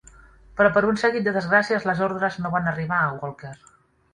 Però per un seguit de desgràcies, les ordres no van arribar a Walker.